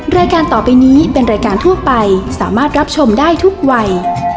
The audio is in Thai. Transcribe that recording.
รายการต่อไปนี้เป็นรายการทั่วไปสามารถรับชมได้ทุกวัย